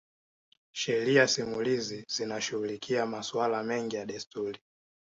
Sheria simulizi zinashughulikia masuala mengi ya desturi